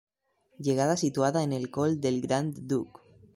Llegada situada en el Col del Grand Duc.